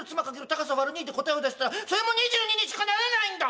高さ÷２で答えを出したらそれも２２にしかならないんだ！